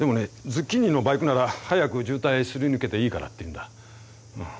ズッキーニのバイクなら早く渋滞すり抜けていいからって言うんだうん。